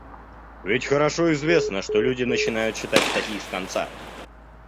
Ведь хорошо известно, что люди начинают читать статьи с конца